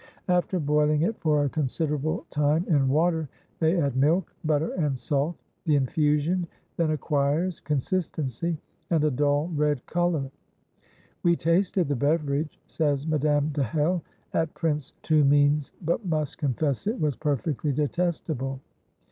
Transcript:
After boiling it for a considerable time in water, they add milk, butter, and salt. The infusion then acquires consistency, and a dull red colour. "We tasted the beverage," says Madame de Hell, "at Prince Tumene's, but must confess it was perfectly detestable....